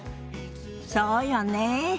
そうよねえ。